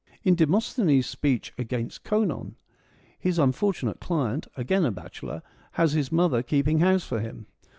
In Demosthenes' speech ' Against Conon,' his un fortunate client, again a bachelor, has his mother keeping house for him.